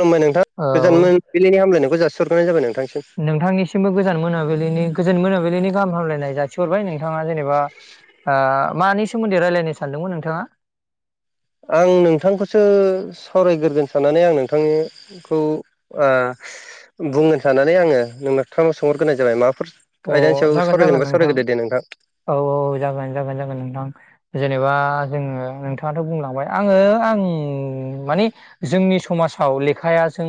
खुलुमबाय नोंथां औ गोजान मोनाबिलिनि हामलायनायखौ जासिहग्रोनाय जाबाय नोंथांसिम। नोंथांनिसिमबो गोजोन मोनाबिलिनि गोजोन मोनाबिलिनि गाहाम हामलायनाय जा जासिहरबाय नोंथाङा जेनेबा मानि सोमोन्दै राय्लायनो सानदोंमोन नोंथाङा आं नोंथांखौसो सावरायग्रोगोन साननानै आं नोंथां खौ ओ बुंनो सानानै आङो नोंथांनाव सोंहरग्रोनाय जाबाय माबाफोर। अ आइदानि सायाव जागोन जागोन सावरायगोनबा नोंथां। सावरायग्रदो दे नोंथां। औ औ जागोन जागोन नोंथां जेनेबा जोङो नोंथाङाथ' बुंलांबाय आङो आं माने जोंनि समाजाव लेखाया जों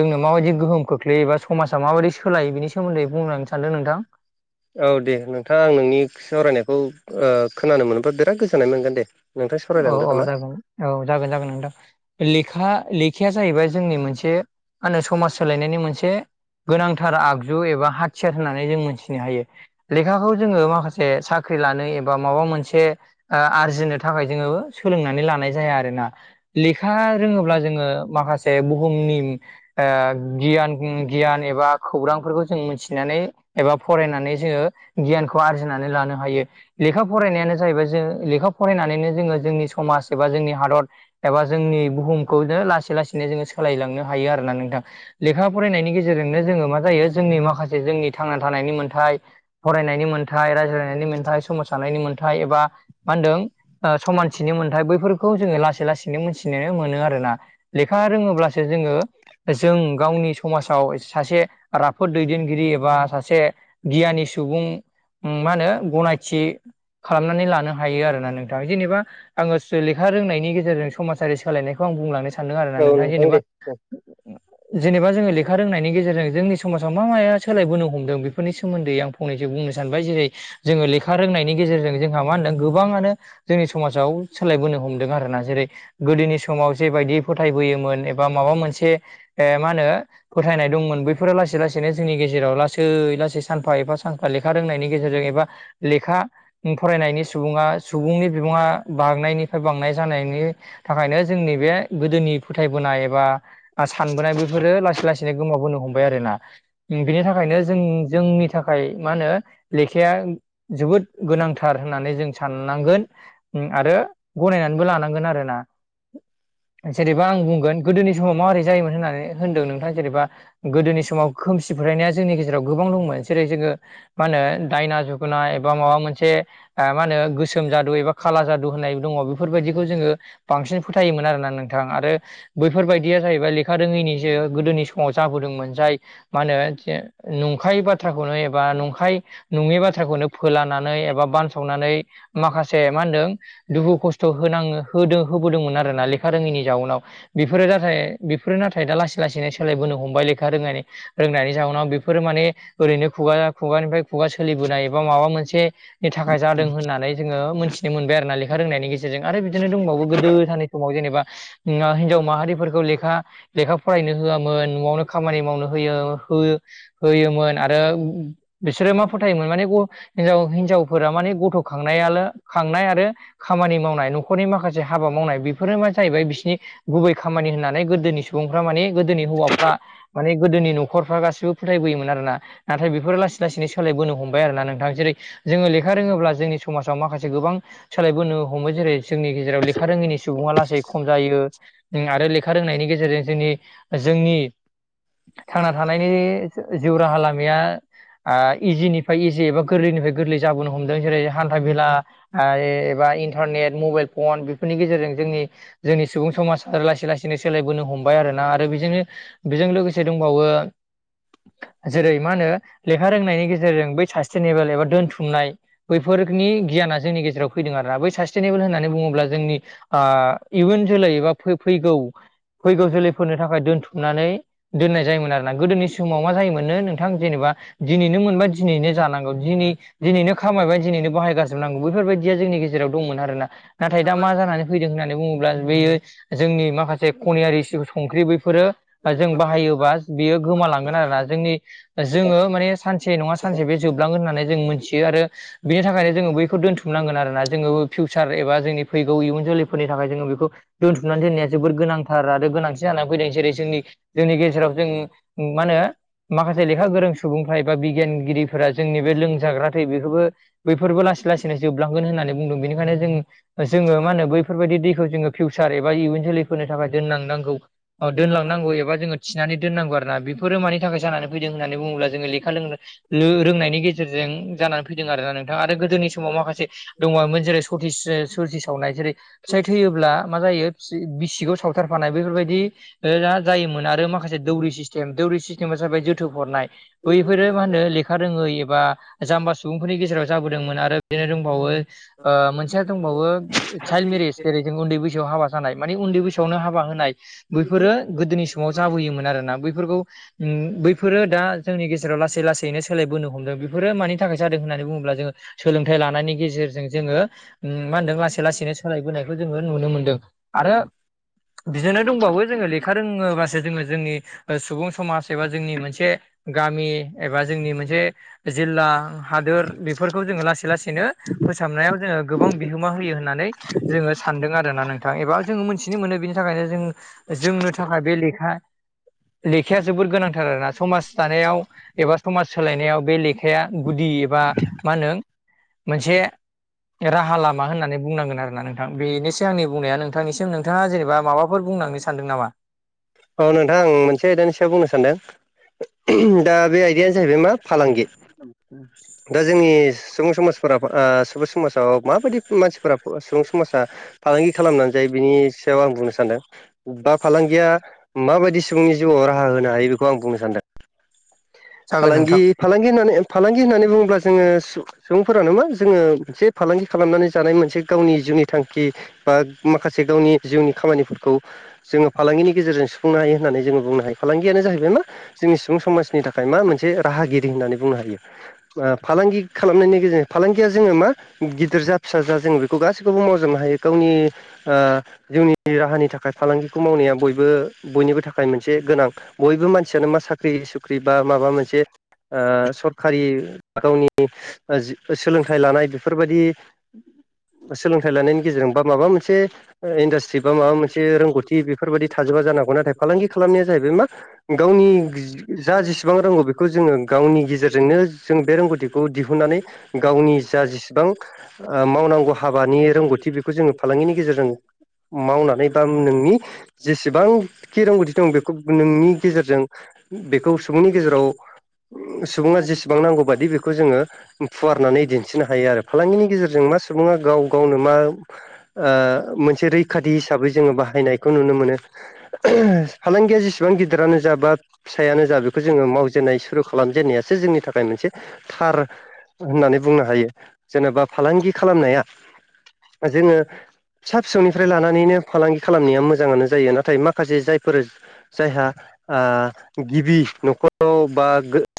जोंनो माबायदि गोहोम खोख्लैयो एबा समाजा माबायदि सोलायो बिनि सोमोन्दै बुंनानै सानदों नोंथां औ दे नोंथाङा आं नोंनि सावरायनायखौ खोनानो मोनोबा बिराद गोजोननाय मोनगोन दे नोंथां औ सावरायलांदो औ नामा जागोन औ जागोन जागोन नोंथां। लेखा लेखाया जाहैबाय जोंनि मोनसे मा होनो समाज सोलायनायनि मोनसे गोनांथार आगजु एबा हाथियार होननानै जों मोनथिनो हायो। लेखाखौ जोंङो माखासे साख्रि लानो एबा माबा मोनसे आरजिनो थाखाय जोंङो सोलोंनानै लानाय जाया आरोना लेखा रोङोब्ला जोंङो माखा से बुहुमनि ओ गियान गियान एबा खौरांफोरखौ जों मिथिनानै एबा फरायनानै जोंङो गियानखौ आरजिनानै लानो हायो। लेखा फरायनायानो जाहैबाय जों लेखा फरायनानैनो जोंङो जोंनि समाज एबा जोंनि हादर एबा जोंनि बुहुमखौनो लासै लासैनो जोंङो सोलायलांनो हायो आरोना नोंथां लेखा फरायनायनि गेजेरजोंनो जोंङो मा जायो जोंनि माखासे जोंनि थांना थानायनि मोनथाय फरायनायनि मोन्थाय रायज्लायनायनि मोन्थाय सोमावसारनायनि मोन्थाय एबा मा होनदों नि मोनथाय बैफोरखौ जोंङो लासै लाैनो मोनथिनो मोनो आरोना। लेखा रोङोब्लासो जोंङो जों गावनि समाजाव सासे राफोद दैदेनगिरि एबा सासे गियानि सुबुं ओम मा होनो गनायथि खालामनानै लानो हायो आरोना नों जेनेबा आङो लेखा रोंनायनि गेजेरजों समाजारि सोलायनायखौ आं बुंलांनो सा सानदों आरोना औ नोंथां जेनेबा दे जेनेबा जोंङो ले खा रोंनायनि गेजेरजों जोंनि समाजाव मा माया सोलायबोनो हमदों बेफोरनि सोमोन्दै आं फंनैसो बुंनो सानबाय जेरै जोंङो लेखा रोंनायनि गेजेरजों जोंहा मा होनदों गोबाङानो जोंनि समाजाव सोलायबोनो हमदों आरोना जेरै गोदोनि समाव जेबायदि फोथायबोयोमोन एबा माबा मोनसे मा होनो फोथायनाय दंमोन बैफोरो लासै लासैनो जोंनि गेजेराव लासै लासै सानफा एबा सानफा लेखा रोंनायनि गेजेरजों एबा लेखा फरायनायनि सुबुङा सुबुंनि सुबुङा बांनायनिफ्राय बांनाय जानायनि थाखायनो जोंनि बे गोदोनि फोथायबोनाय एबा सानबोनाय बेफोरो लासै लासैनो गोमाबोनो हमबाय आरोना बिनि थाखायनो जों जोंनि थाखाय मा होनो लेखाया जोबोद गोनांथार होननानै जों साननांगोन आरो गनायनानैबो लानांगोन आरोना। जेनेबा आं बुंगोन गोदोनि समाव माबोरै जायोमोन होननानै होनदों नोंथां जेनेबा। गोदोनि समाव खोमसि फरायनाया जोंनि गेजेराव गोबां दंमोन जेरै जोङो मा होनो दायना जुग एबा माबा मोनसे मा होनो गोसोम जा दु एबा खाला जादु होननाय दङ बेफोरबायदिखौ जोङो बांसिन फोथायोमोन आरोना नोंथां आरो बैफोरबायदिया जाहैबाय लेखा रोङैनि जे गोदोनि समाव जाबोदोंमोन जाय मा होनो नंखाय बाथ्राखौनो एबा नंखाय नङि बाथ्राखौनो। फोलानानै एबा बानसावनानै माखासे मा होनदों दुखु खस्थ' स' होनाङो होदों होबोदोंमोन आरोना लेखा रोङैनि जाउनाव। बेफोरो नाथाय बेफोरो नाथाय दा लासै लासैनो सोलायबोनो हमबाय लेखा रोंनानै। रोंनायनि जाहोनाव बेफोरो माने। ओरैनो खुगा खुगानिफ्राय खुगा सोलिबोनाय एबा माबा मोनसेनि थाखाय जादों होननानै जोङो मोनथिनो मोनबाय आरो ना लेखा रोंनायनि गेजेरजों आरो बिदिनो दंबावो गोदोथारनि समाव जेनेबा ना हिन्जाव माहारिफोरखौ लेखा लेखा फरायनो होआमोन न'आवनो। खामानि मावनो होयो हो-होयोमोन आरो बिसोरो मा फोथायोमोन माने हिन्जाव हिन्जावफोरा माने गथ' खांनायाल खांनाय आरो। खामानि मावनाय न'खरनि माखासे हाबा मावनाय बेफोरो मा जाहैबाय बिसोरनि गुबै खामानि होननानै गोदोनि सुबुंफ्रा माने गोदोनि हौवाफ्रा माने। गोदोनि नख'रफ्रा गासिबो फोथायबोयोमोन आरो ना नाथाय बेफोर लासै लासैनो सोलायबोनो हमबाय आरोना नोंथां जेरै जोङो लेखा रोङोब्ला जोंनि समाजाव माखासे गोबां सोलायबोनो हमो जेरै जोंनि गेजेराव लेखा रोङैनि सुबुङा लासै खम जायो। आरो लेखा रोंनायनि गेजेरजों जोंनि जोंनि थांना थानायनि जिउ राहा लामाया आ इजिनि इजि एबा गोरलैनिफ्राय गोरलै जाबोनो हमदों जेरै हान्था-मेला आरो एबा इन्टारनेट मबाइल फन बेफोरनि गेजेरजों जोंनि। जोंनि सुबुं समाज आरो लासै लासैनो सोलायबोनो हम बाय आरोना आरो बेजोंनो बेजों लोगोसे दंबावो जेरै मा होनो लेखा रोंनायनि गेजेरजों बै सास्टेनेबेल एबा दोनथुमनाय बैफोरनि गियाना जोंनि गेजेराव फैदों आरोना बै सास्टेनेबोल होननानै बुङोब्ला जोंनि आ इयुन जोलै एबा फैगौ फैगौ जोलैफोरनो [unintelligible] थाखाय दोनथुमनानै दोननाय जायोमोन आरोना गोदोनि समाव मा जायोमोननो नोंथां जेनेबा दिनैनो मोनबाया दिनैनो जानांगौ दिनै दिनैनो खामायबाय दिनैनो बाहायगारजोबनांगौ बैफोरबायदिया जोंनि गेजेराव दंमोन आरोना नाथाय दा मा जानानै फैदों होननानै बुङोब्ला बेयो जोंनि माखासे जे खनियारि संख्रि बैफोरो जों बाहायोबा बियो गोमालांगोन आरोना जोंनि जोङो माने सान सानसे नङा सानसे बे जोबलांगोन होन्नानै जों मोनथियो आरो बिनि थाखायनो जोङो बैखौ दोनथुमनांगोन आरोोना जोङो फिउचार एबा जोंनि फैगौ इयुन जोलैनि थाखाय जोङो बेखौ दोनथुमनानै दोननाय जोबोद गोनां। थार आरो गोनांथि जानानै फैदों जेरै जोंनि जोंनि गेजेराव जों मा होनो माखासे लेखा गोरों सुबुंफ्रा एबा बिगियानगिरि जोंनि बे लोंजाग्रा दै बेफोरबो बैफोरबो लासै लासैनो जोब लांगोन होननानै बुंदों बेनिखायनो जोङो मा होनो बेफोरबायदि दैखौ जोङो फिउचार एबा इयुन जोलैफोरनि थाखाय दोनलांनांगौ अ दोनलांनांगौ एबा जोङो थिनानै दोननांगौ आरो ना बेफोरो मानि थाखाय जानानै फैदों होननानै बुङोब्ला जोङो लेखा लोंनो रोंनायनि गेजेरजों जानानै फैदों आरोना नोंथा आरो गोदोनि सम समाव माखासे दङामोन जेरै सथिस सरि सावनाय जेरै फिसाइ थैयोब्ला मा जायो? बिसि बिसिखौ सावथारफानाय बेफोरबायदि जायोमोन आरो माखासे दौरि सिस्टेम दौरि सिस्टेमा जाबाय जोथोब हरनाय बैफोरो मा होनो फखा रोङै एबा जाम्बा सुबुंफोरनि गेजेराव जाबोदोंमोन आरो बे दंबावो। मोनसेया दंबावो चाइल्द मेरिज जेरै जों उन्दै बैसोआव हाबा जानाय माने उन्दै बैसोआवनो हाबा होनाय बैफोरो गोदोनि समाव जाबोयोमोन आरोना बैफोरखौ बैफोरो दा जोंनि गेजेराव लासै लासैनो सोलायबोनो हमदों बेफोरो मानि थाखाय जादों होननानै बुङोब्ला जोङो सोलोंथाइ लानायनि गेजेरजों जोङो मा होनदों लासै लासैनो सोलायबोनायखौ जोङो नुनो मोनदों आरो बिदिनो दंबावो जोङो लेखा रोङोबासो जोङो जोंनि सुबुं समाज एबा जोंनि मोनसे गामि एबा जोंनि मोनसे जिल्ला हादोर बेफोरखौ जोङो लासै लासै लासैनो फोसाबनायाव जोङो गोबां बिहोमा होयो होननानै जोङो सानदों आरोना नोंथां थां एबा जोङो मोनथिनो मोनो बेनि थाखायनो जों जोंनो थाखाय बे लेखा लेखाया जोबोर गोनांथार आरोना समाज दानायाव एबा समाज सोलायनायाव बे लेखाया गुदि एबा मा होनो मोनसे राहा लामा होननानै बुंनांगोन आर ना नों नोंथां बेनोसै आंनि बुंनाया नोंथांनिसिम नोंथाङा जेनेबा माबाफोर बुंनांनो सानदों नामा औ नोंथां आं मोनसे आयदानि सायाव बुंनो सानदों दा बे आयदायानो जाहैबाय मा फालांगि दा जोंनि सुबुं समाजफोराव सुबुं सरासनस्रा समाव समाजाव बा माबायदि मानसिफोरा सुबुं समाजा फालांगि खालामनानै जायो बिनि सायाव आं बुंनो सानदों बा फालांगिया माबायदि सुबुंनि जिउआव राहा होनो हायो बेखौ आं बुंनो सानदों जागोन फालांगि नोंथां। फालांगि होननानै फालांगि होननानै बुङोब्ला जोङो सुबुंफोरानो मा जोङो मोनसे फालांगि खालामनानै जानाय मोनसे गावनि जिउनि थांखि बा माखासे गावनि जिउनि खामानिफोरखौ जोङो फालांगिनि गेजेरजों सुफुंनो हायो होननानै जोङो बुंनो हायो फालांगियानो जाहैबाय मा जोंनि सुबुं समाजनि थाखाय मा मोनसे राहागिरि होननानै बुंनो हायो फालांगि खालामनायनि गेजेरजों फालांगिया जोङो मा गिदिर जा फिसा जा जोंङो बेखौ गासैखौबो मावजोबनो हायो गावनि जोंनि राहानि थाखाय फालांगिखौ मावनाया बयबो बयनिबो थाखाय मोनसे गोनां बयबो मानसियानो मा साख साख्रि सुख्रि बा माबा मोनसे सरखारि गावनि सोलोंथाइ लानाय बेफोरबायदि सोलोंथाइ लानायनि गेजेरजों बा माबा मोनसे इन्डास्ट्रि बा माबा मोनसे रोंगौथि बेफोरबायदि थाजोबा जानांगौ नाथाय फालांगि खालामनाया जाहैबाय मा गावनि जा जेसेबां रांगौ बे खौ जोङो गावनि गेजेर जोंनो जों बे रोंगौथिखौ दिहुननानै गावनि जा जेसेबां मावनानै दा मावनांगौ हाबा हाबानि रोंगौथि बेखौ जोङो फालांगिनि गेजेरजों मावनानै बा नोंनि जेसेबांखि रोंगौथि दं बेखौ नोंनि गेजेरजों बेखौ सुबुंनि गेजेराव गोबां सुबुङा एसेबां जेसेबां बेसेबां नांगौ बादि नांगौबादि बेखौ जोङो फुवारनानै दिन्थिनो हायो आरो फालांगिनि गेजेरजों मा सुबुङा गाव गावनो मा मोनसे रैखाथि हिसाबै जोङो बाहायनायखौ नुनो मोनो फालांगिया जेसेबां गिदिरानो जाबा फिसायानो जा बेखौ जोङो मावजेननाय सुरु खालामजेननायासो जोंनि थाखाय मोनसे थार होननानै बुंनो हायो जेनेबा फालांगि खालामनाया जोङो फिसा फिसौनिफ्राय लानानैनो फालांगि खालामनाया मोजाङानो जायो नाथाय नाथाय माखासे जायफोर जायहा गिबि न'खराव बा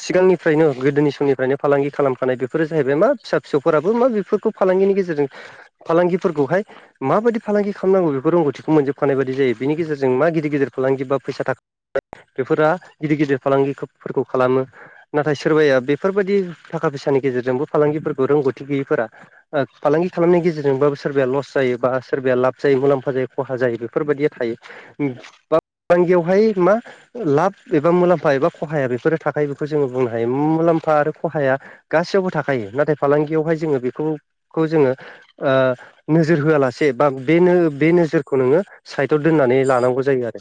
सिगांनि फ्रायनो गोदोनि समनिफ्रायनो फालांगि खालामखानाय बेफोरो जाहैबाय मा फिसा फिसौफोराबो मा बेफोरखौ फालांगिनि गेजेरजों फालांगिफोरखौहाय माबायदि फालांगि खालामनांगौ बेखौ रोंगौथिखौ मोनजोबखानाय बायदि जायो बेनि गेजेरजों मा गिदिर गिदिर फालांगि बा फैसा थाख बेफोरा गिदिर गिदिर फालांगिफोरखौ खालामो नाथाय सोरबाया बेफोरबायादि थाखा फैसानि गेजेरजोंबो फालांगिफोरखौ रोंगौथि गैयिफोरा फालांगि खालामनायनि गेजेरजोंबाबो सोरबाया लस जायो बा सोरबाया लाब जायो मुलाम्फा जायो खहा जायो बेफोरबायदिया थायो। ओम फालांगियावहाय मा लाब एबा मुलाम्फा एबा खहाया बेफोरो थाखायो बेफोर जोङो बुंनो हायो मुलाम्फा आरो खहाया गासैयावबो थाखायो नाथाय फालांगियावहाय जोङो बेखौ खौ जोङो ओ नोजोर होआलासे बा बेनो बे नोजोरखौ नोङो साइदाव दोननानै लानांगौ जायो आरो।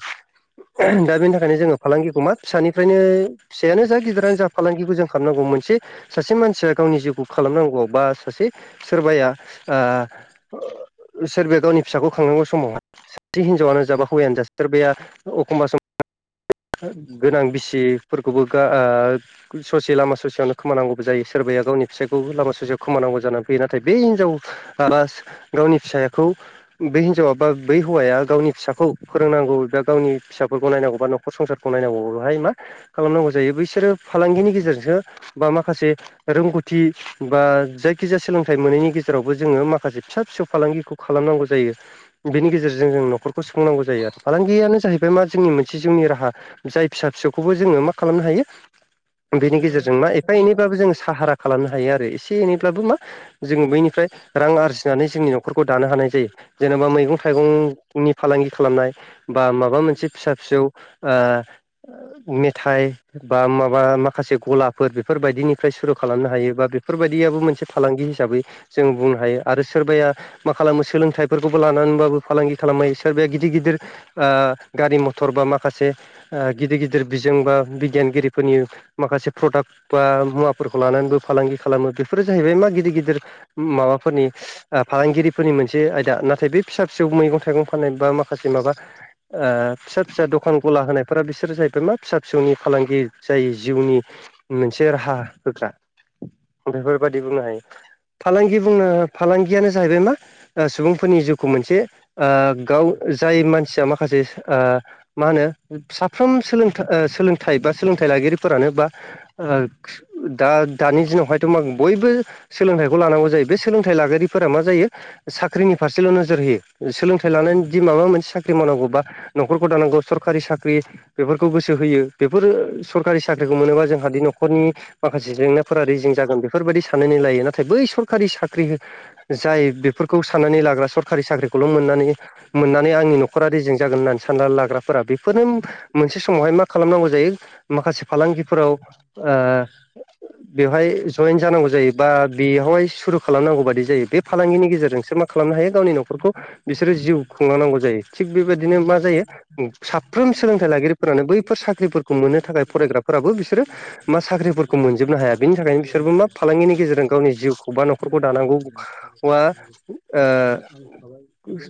दा बेनि थाखायनो जोङो फालांगिखौ मा फिसानिफ्रायनो दिन्थिनो फिसायानो जा गिदिर फालांगिखौ जों खालामनांगौ मोनसे सासे मानसिया गावनि जिउखौ खालामनांगौ बा सासे सोरबाया ओ सोरबाया गावनि फिसाखौ खांनांगौ समाव सासे हिनजावआनो जाबा हौवायानो जा सोरबाया एखम्बा सम गोनां बिसिफोरखौबो गा ओ ससे लामा ससेयावनो खोमानांगौबो जायो सोरबाया गावनि फिसायखौ लामा ससेयाव खोमानांगौ जानानै फैयो नाथाय बे हिनजाव आ गावनि फिसाखौ बै हिनजावा बा बै हौवाया गावनि फिसाखौ फोरोंनांगौ बा गावनि फिसाफोरखौ नायनांगौ बा नखर संसारखौ नायनांगौहाय मा खालामनांगौ जायो बैसोरो फालांगिनि गेजेरजोंसो बा माखासे रोंगौथि बा जायखिजाया सोलोंथाइ मोनैनि गेजेरावबो जोङो माखासे फिसा फिसौ फालांगिखौ खालामनांगौ जायो। बेनि गेजेरजों जों न'खरखौ सुफुंनांगौ जायो आरो फालांगियानो जाहैबाय मा जोंनि मोनसे जोंनि राहा जाय फिसा फिसौखौबो जोङो मा खालामनो हायो बेनि गेजेरजों मा एफा एनैबाबो जों साहारा खालामनो हायो आरो एसे एनैब्लाबो मा जोङो बैनिफ्राय रां आरजिनानै जोंनि न'खरखौ दानो हानाय जायो। जेनेबा मैगं थाइगंनि फालांगि खालामनाय बा माबा मोनसे फिसा फिसौ ओ मेथाइ बा माबा माखासे गलाफोर बेफोरबायदिनिफ्राय सुरु खालामनो हायो बा बेफोरबायदियाबो मोनसे फालांगि हिसाबै जों बुंनो हायो आरो सोरबाया मा खालामो सोलोंथाइफोरखौबो लानानैबाबो फालांगि खालामायो सोरबाया गिदिर गिदिर ओ गारि मथर डक्टर बा माखासे ओ गिदिर गिदिर बिजों बा बिगियानगिरिफोरनि माखासे प्रडाक्ट बा मुवाफोरखौ लानानैबो फालांगि खालामो बेफोरो जाहैबाय मा गिदिर गिदिर माबाफोरनि फालांगिरिफोरनि मोनसे आयदा नाथाय बे फिसा फिसौ मैगं थाइगं फाननाय बा माखासे माबा ओ फिसा फिसा दखान गला होनायफोरा बिसोर जाहैबाय मा फिसा फिसौनि फालांगि जायो जिउनि मोनसे राहा होग्रा बेफोरबादि बुंनो हायो। फालांगि बुंनो फालांगियानो जाहैबाय मा ओ सुबुंफोरनि जिउखौ मोनसे ओ गाव जाय मानसिया माखासे ओ मा होनो साफ्रोम सोलों ओ सोलोंथाइ बा सोलोंथाइ लगिरिफोरानो बा ओ [unintelligible] दा दानि दिनावहायथ' मा बयबो सोलोंथाइखौ लानांगौ जायो बे सोलोंथ थाइ लागगिरिफोरा मा जायो साख्रिनि फारसेल' नोजोर होयो सोलोंथाइ लानायनि दि माबा मोनसे साख्रि मावनांगौबा न'खरखौ दानांगौ सरखारि साख्रि बेफोरखौ गोसो होयो बेफोरो सरकारि साख्रिखौ मोनोबा जोंहादि नखरनि माखासे जेंनाफोरा रेजें जागोन बेफोरबायदि साननानै लायो। नाथाय बै सरकारि साख्रि जाय बेफोरखौ साननानै लाग्रा सरखारि साख्रिखौल' मोननानै मोननानै आंनि न'खरा रेजें जागोन होननानै सानना लाग्राफोरा बेफोरनो मोनसे समावहाय मा खालामनांगौ जायो। माखासे फालांगिफोराव ओ बेवहाय जयेन जानांगौ जायो बा बेयावहाय सुरु खालामनांगौ बाददि जायो बे फालांगिनि गेजेरजोंसो मा खालामनो हायो गावनि न'खरखौ बिसोरो जिउ खुंलांनांगौ जायो थिग बेबायदिनो मा जायो साफ्रोम सोलोंथाइ लागिरिफोरानो बैफोर साख्रिफोरखौ मोननो थाखाय फरायग्राफोराबो बिसोरो मा साख्रिफोरखौ मोनजोबनो हाया बेनि थाखायनो बिसोरबो मा फालांगिनि गेजेरजों गावनि जिउखौ बा न'खर फोरखौ दानांगौ आ ओ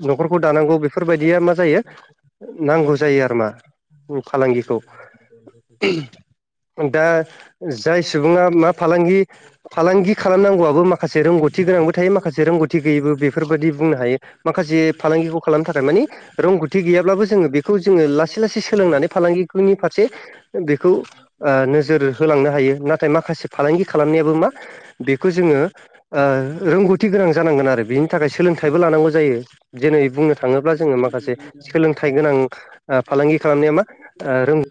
न'खरखौ दानांगौ बेफोरबायदिया मा जायो नांगौ जायो आरो मा ओम फालांगिखौ दा जाय सुबुङा मा फालांगि फालांगि खालामनांगौआबो माखासे रोंगौथि रोंगौथि गोनांबो थायो माखासे रोंगौथि गैयैबो बेफोरबायदि बुंनो हायो माखासे फालांगिखौ खालामनो थाखाय मानि रोंगौथि गैयाब्लाबो जोङो बेखौ जोङो लासै लासै सोलोंनानै फालांगिनि फारसे बेखौ ओ नोजोर होलांनो हायो नाथाय माखासे फालांगि खालामनायाबो मा बेखौ जोङो ओ रोंगौथि गोनां जानांगोन आरो बि नि थाखाय सोलोंथाइबो लानांगौ जायो जेरै बुंनो थाङोब्ला जोङो माखासे सोलों थाइ गोनां ओ फालांगि खालामनाया मा ओ रोंगो